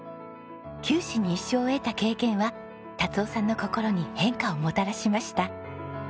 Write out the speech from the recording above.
九死に一生を得た経験は達雄さんの心に変化をもたらしました。